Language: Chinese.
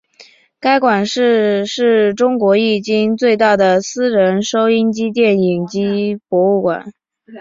该馆是是中国迄今最大的私人收音机电影机博物馆。